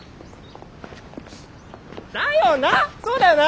だよな！